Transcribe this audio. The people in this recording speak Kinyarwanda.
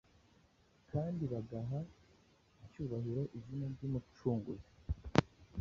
kandi bagaha icyubahiro izina ry’Umucunguzi.